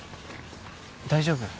大丈夫？